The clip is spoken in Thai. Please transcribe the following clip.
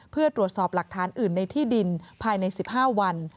เพื่อตรวจสอบหลักฐานอื่นในที่ดินภายใน๑๕วัน